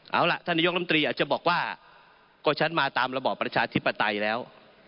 เอาล่ะท่านนายกรมตรีอาจจะบอกว่าก็ฉันมาตามระบอบประชาธิปไตยแล้ว